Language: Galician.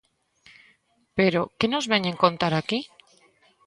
Pero ¿que nos veñen contar aquí?